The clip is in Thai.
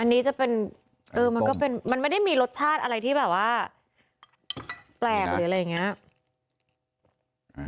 อันนี้จะเป็นมันก็เป็นมันไม่ได้มีรสชาติอะไรที่แบบว่าแปลกหรืออะไรอย่างนี้